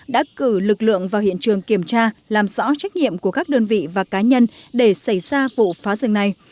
đã cử lực lượng vào hiện trường kiểm tra làm rõ trách nhiệm của các đơn vị và cá nhân để xảy ra vụ phá rừng này